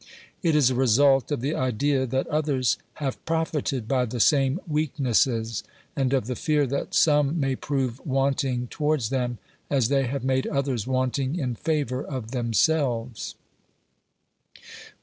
It is a result of the idea that others have profited by the same weaknesses, and of the fear that some may prove wanting towards them, as they have made others wanting in favour of themselves.